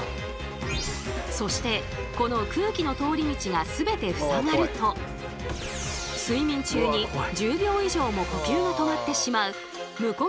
そしてこの空気の通り道が全てふさがると睡眠中に１０秒以上も呼吸が止まってしまう無呼吸症状に陥る危険が！